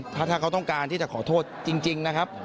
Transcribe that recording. ถ้าเขาต้องการที่จะขอโทษจริงนะครับ